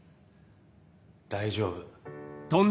大丈夫。